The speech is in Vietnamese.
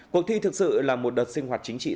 cuộc thi thực sự là một đợt sinh hoạt chính trị